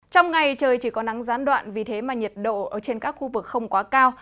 trong ngày trời chỉ có nắng gián đoạn vì thế mà nhiệt độ trên các khu vực không quá cao